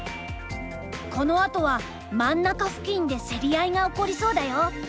このあとは真ん中付近で競り合いが起こりそうだよ。